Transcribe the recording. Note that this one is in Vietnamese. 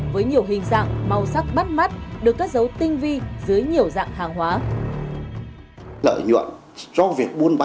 với nhiều hình dạng màu sắc bắt mắt được cất dấu tinh vi